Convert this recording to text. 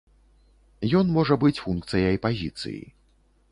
Ён можа быць функцыяй пазіцыі.